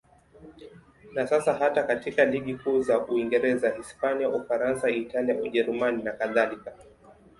Na sasa hata katika ligi kuu za Uingereza, Hispania, Ufaransa, Italia, Ujerumani nakadhalika.